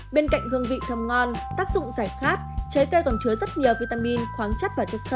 bên cạnh hương vị thơm ngon tác dụng giải khát trái cây còn chứa rất nhiều vitamin khoáng chất và chất st